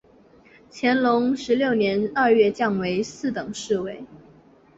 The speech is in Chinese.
乾隆十六年二月降为四等侍卫。